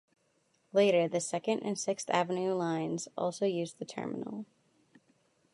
Later the Second and Sixth Avenue Lines also used the terminal.